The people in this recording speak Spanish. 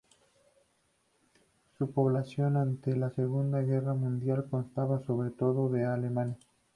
Su población antes la Segunda Guerra Mundial constaba sobre todo de alemanes.